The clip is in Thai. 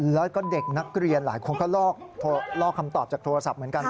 แล้วก็เด็กนักเรียนหลายคนก็ลอกคำตอบจากโทรศัพท์เหมือนกัน